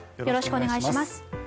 よろしくお願いします。